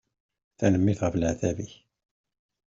Tanemmirt ɣef leεtab-ik.